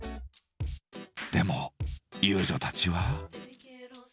でも遊女たちは。